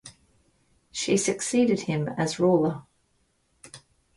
She succeeded him as ruler.